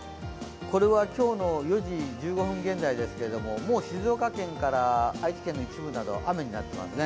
これは今日の４時１５分現在ですがもう静岡県から愛知県の一部など雨になっていますね。